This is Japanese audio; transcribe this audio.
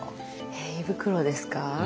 え胃袋ですか？